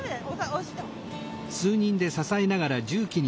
押して。